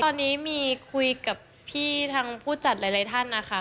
ตอนนี้มีคุยกับพี่ทางผู้จัดหลายท่านนะคะ